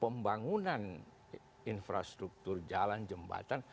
pembangunan infrastruktur jalan jembatan